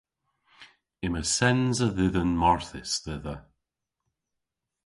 Yma sens a dhidhan marthys dhedha.